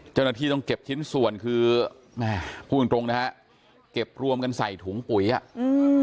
เจ้าหน้าที่ต้องเก็บชิ้นส่วนคือแม่พูดตรงตรงนะฮะเก็บรวมกันใส่ถุงปุ๋ยอ่ะอืม